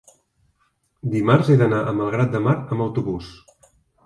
dimarts he d'anar a Malgrat de Mar amb autobús.